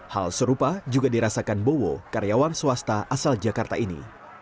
hal serupa juga dirasakan bowo karyawan swasta asal jakarta ini